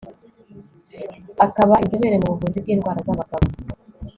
akaba 'inzobere mu buvuzi bw'indwara z'abagabo